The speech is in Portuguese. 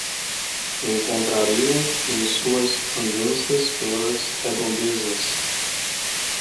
Encontrariam em suas andanças pelas redondezas